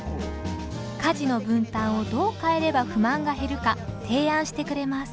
家事の分担をどう変えれば不満が減るか提案してくれます。